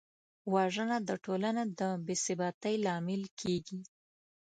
وژنه د ټولنې د بېثباتۍ لامل کېږي